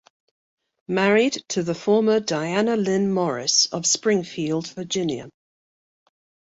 Married to the former Diana Lynn Morris of Springfield, Virginia.